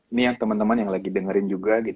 ini yang temen temen lagi dengerin juga